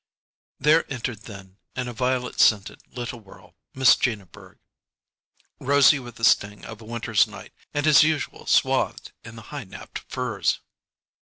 There entered then, in a violet scented little whirl, Miss Gina Berg, rosy with the sting of a winter's night, and, as usual, swathed in the high napped furs.